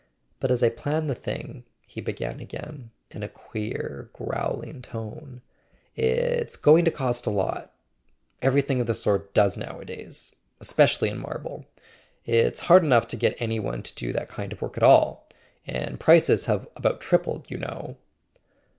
"But as I plan the thing," he began again, in a queer growling tone, "it's going to cost a lot—everything of the sort does nowadays, [ 424 ] A SON AT THE FRONT especially in marble. It's hard enough to get any one to do that kind of work at all. And prices have about tripled, you know."